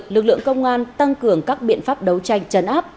lực lượng công an tăng cường các biện pháp đấu tranh chấn áp